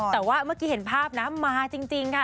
แต่ว่าเมื่อกี้เห็นภาพนะมาจริงค่ะ